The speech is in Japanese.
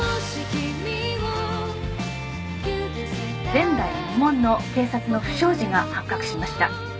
前代未聞の警察の不祥事が発覚しました。